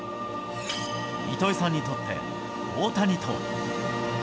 糸井さんにとって大谷とは。